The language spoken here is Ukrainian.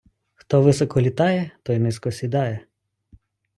Хто високо літає, той низько сідає.